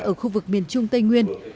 ở khu vực miền trung tây nguyên